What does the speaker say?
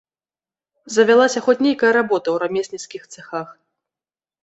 Завялася хоць нейкая работа ў рамесніцкіх цэхах.